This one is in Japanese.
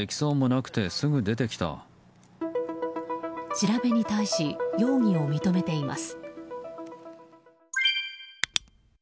調べに対し容疑を認めています。